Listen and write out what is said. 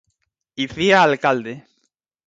Icía Alcalde.